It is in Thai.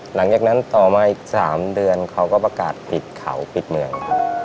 หลังจากนั้นต่อมาอีก๓เดือนเขาก็ประกาศปิดเขาปิดเมือง